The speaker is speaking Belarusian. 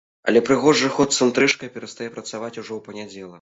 Але прыгожы ход з інтрыжкай перастае працаваць ужо ў панядзелак.